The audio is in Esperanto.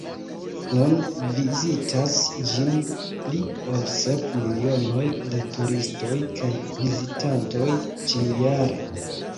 Nun vizitas ĝin pli ol sep milionoj da turistoj kaj vizitantoj ĉiujare.